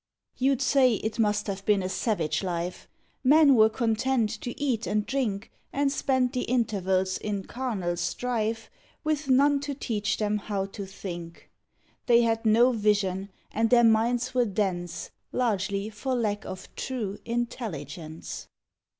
You'd say it must have been a savage life. Men were content to eat and drink And spend the intervals in carnal strife With none to teach them how to think; They had no Vision and their minds were dense, Largely for lack of True "Intelligence."